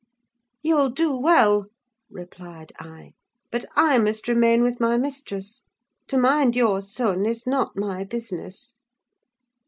"You'll do well," replied I. "But I must remain with my mistress: to mind your son is not my business."